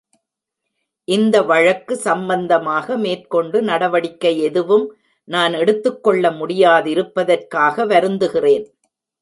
இந்த வழக்கு சம்பந்தமாக மேற்கொண்டு நடவடிக்கை எதுவும் நான் எடுத்துக்கொள்ள முடியாதிருப்பதற்காக வருந்துகிறேன்.